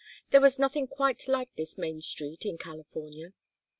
There was nothing quite like this Main Street in California.